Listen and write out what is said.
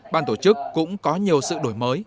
ban tổ chức cũng có nhiều sự đổi mới